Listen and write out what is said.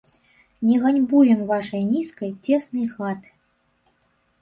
Не ганьбуем вашай нізкай, цеснай хаты.